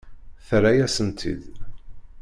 Terra-yasent-t-id.